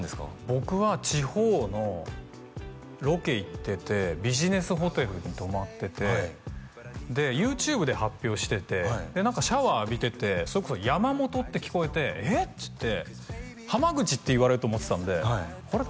僕は地方のロケ行っててビジネスホテルに泊まっててでＹｏｕＴｕｂｅで発表してて何かシャワー浴びててそれこそ「山本」って聞こえて「えっ？」っつって「濱口」って言われると思ってたんであれ？